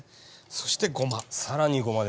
そしてごま。